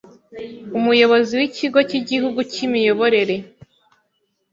Umuyobozi w’ikigo cy’igihugu cy’imiyoborere